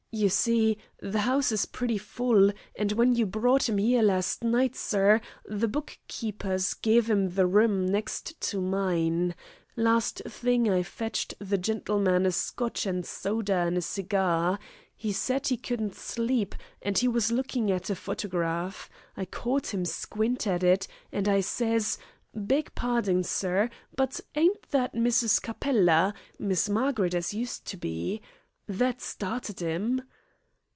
You see, the 'ouse is pretty full, and when you brought 'im 'ere last night, sir, the bookkeeper gev' 'im the room next to mine. Last thing, I fetched the gentleman a Scotch an' soda an' a cigar. 'E said 'e couldn't sleep, and 'e was lookin' at a fotygraf. I caught a squint at it, an' I sez, 'Beg parding, sir, but ain't that Mrs. Capella Miss Margaret as used to be?' That started 'im."